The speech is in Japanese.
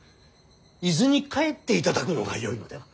伊豆に帰っていただくのがよいのでは。